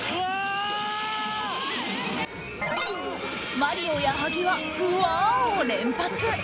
マリオ矢作はうわぁを連発。